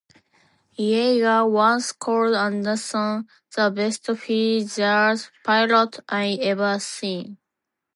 Yeager once called Anderson, The best fighter pilot I ever saw.